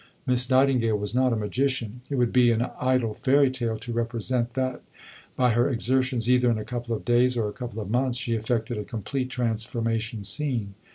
Miss Nightingale was not a magician. It would be an idle fairy tale to represent that by her exertions, either in a couple of days, or a couple of months, she effected a complete transformation scene.